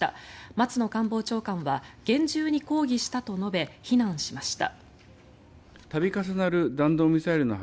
松野官房長官は厳重に抗議したと述べ非難しました。